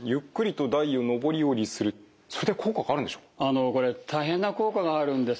あのこれ大変な効果があるんです。